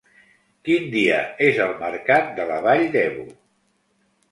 Quin dia és el mercat de la Vall d'Ebo?